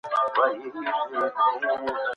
د ښکاری و تور ته ورکړي